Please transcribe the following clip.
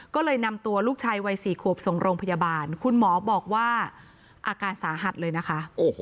ก็เลยนำตัวลูกชายวัย๔ขวบส่งโรงพยาบาลคุณหมอบอกว่าอาการสาหัสเลยนะคะ